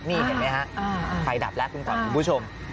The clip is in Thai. นี่เห็นไหมฮะไฟดับแล้วคุณขวัญคุณผู้ชม